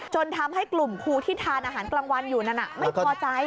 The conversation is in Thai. ทำให้กลุ่มครูที่ทานอาหารกลางวันอยู่นั่นไม่พอใจ